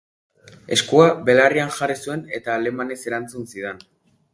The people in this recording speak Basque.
Eskua belarrian jarri zuen eta alemanez erantzun zidan.